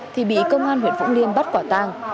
thì bị công an huyện vũng liêm bắt quả tang